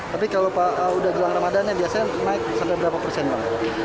tapi kalau pak udah jelang ramadannya biasanya naik sampai berapa persen bang